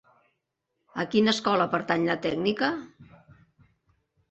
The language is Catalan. A quina escola pertany la tècnica?